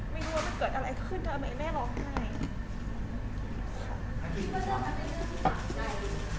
ไม่รู้ว่ามันเกิดอะไรขึ้นทำไมแม่ร้องไห้